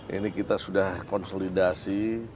ini kita sudah konsolidasi